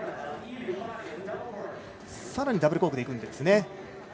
さらにダブルコークでいくんですね。